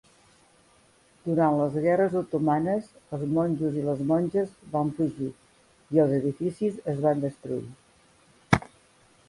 Durant les guerres otomanes, els monjos i les monges van fugir i els edificis es van destruir.